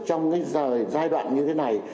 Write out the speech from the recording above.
trong cái giai đoạn như thế này